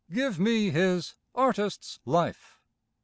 Give me his "Artist's Life!"